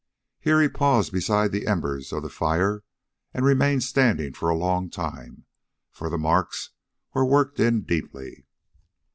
Here he paused beside the embers of the fire and remained standing for a long time, for the marks were worked in deeply.